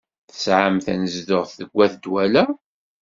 Tesɛam tanezduɣt deg at Dwala?